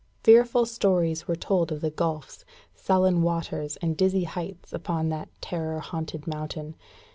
Fearful stories were told of the gulfs, sullen waters, and dizzy heights upon that terror haunted mountain.